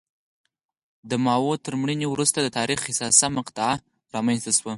د ماوو تر مړینې وروسته د تاریخ حساسه مقطعه رامنځته شوه.